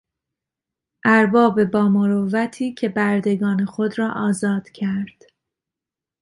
ارباب با مروتی که بردگان خود را آزاد کرد.